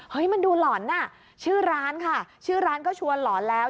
มันดูหล่อนอ่ะชื่อร้านค่ะชื่อร้านก็ชวนหลอนแล้ว